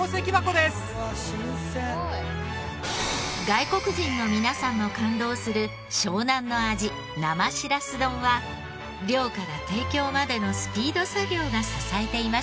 外国人の皆さんも感動する湘南の味生しらす丼は漁から提供までのスピード作業が支えていました。